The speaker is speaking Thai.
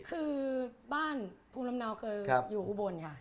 คือบ้านภูมิลำเนาเคยอยู่อุบลค่ะ